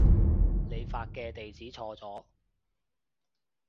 你發嘅地址錯咗